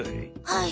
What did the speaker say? はい。